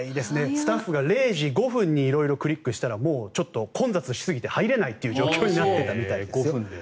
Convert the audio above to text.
スタッフが０時５分にクリックしたら混雑しすぎて入れない状況になってたみたいです。